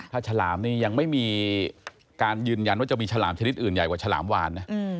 ถ้าฉลามนี่ยังไม่มีการยืนยันว่าจะมีฉลามชนิดอื่นใหญ่กว่าฉลามวานนะ